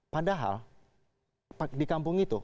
padahal di kampung itu